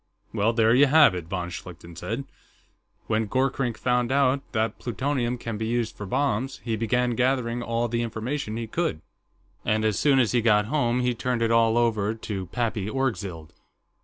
"Well, there you have it," von Schlichten said. "When Gorkrink found out that plutonium can be used for bombs, he began gathering all the information he could. And as soon as he got home, he turned it all over to Pappy Orgzild."